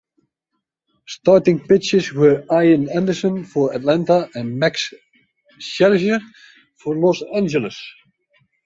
Starting pitchers were Ian Anderson for Atlanta and Max Scherzer for Los Angeles.